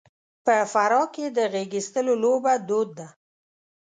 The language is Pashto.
په فراه کې د غېږاېستلو لوبه دود ده.